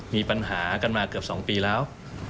มีปัญหากันมาเกือบ๒ปีแล้ว